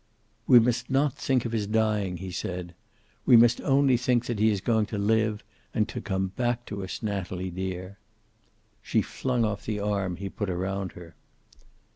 "We must not think of his dying," he said. "We must only think that he is going to live, and to come back to us, Natalie dear." She flung off the arm he put around her.